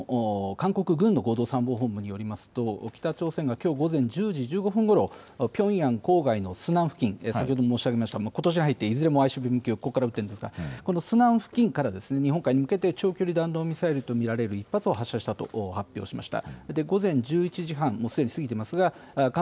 先ほど入った情報ですけれど、韓国の韓国軍の合同参謀本部によりますと北朝鮮が午前１０時１５分ごろピョンヤン郊外のスナン付近、ことしに入っていずれもＩＣＢＭ級をここから撃っているんですがこのスナン付近から日本海に向けて長距離弾道ミサイルと見られる１発を発射したと発表しました。